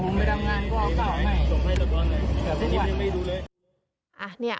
ผมไปทำงานก็ออกออกใหม่